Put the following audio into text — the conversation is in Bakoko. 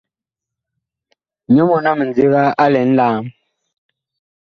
Nyɔ mɔɔn a mindiga a lɛ nlaam.